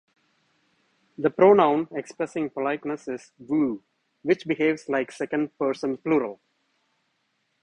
The pronoun expressing politeness is "vu", which behaves like second person plural.